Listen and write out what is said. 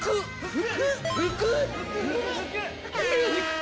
服？